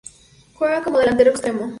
Juega como delantero extremo.